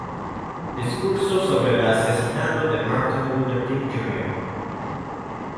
Discurso sobre el asesinato de Martin Luther King, Jr.